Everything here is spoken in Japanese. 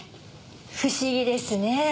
不思議ですね。